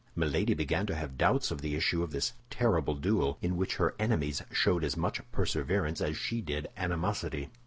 Milady began to have doubts of the issue of this terrible duel, in which her enemies showed as much perseverance as she did animosity.